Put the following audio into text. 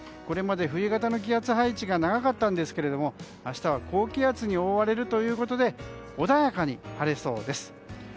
これまで冬型の気圧配置が長かったんですけれども明日は高気圧に覆われるということで穏やかに晴れそうです。